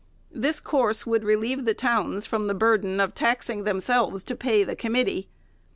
This course would relieve the towns from the burden of taxing themselves to pay the committee.